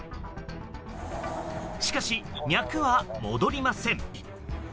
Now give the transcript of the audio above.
しかし、脈は戻りません。